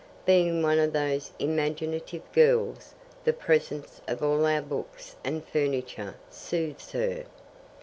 Being one of those imaginative girls, the presence of all our books and furniture soothes her.